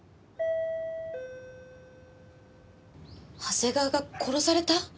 長谷川が殺された？